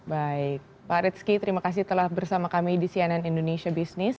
baik pak rizky terima kasih telah bersama kami di cnn indonesia business